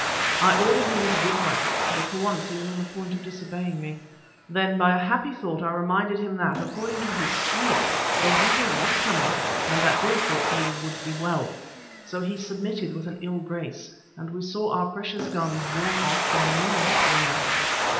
I ordered him to give way, but for once he was on the point of disobeying me. Then by a happy thought I reminded him that, according to his Snake, Dogeetah was coming, and that therefore all would be well. So he submitted with an ill grace, and we saw our precious guns borne off we knew not where.